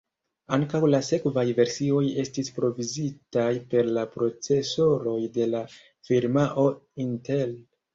Ankaŭ la sekvaj versioj estis provizitaj per la procesoroj de la firmao Intel.